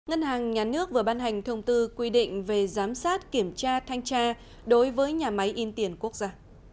ngân hàng nhà nước vừa ban hành thông tư quy định về giám sát kiểm tra thanh tra đối với nhà máy in tiền quốc gia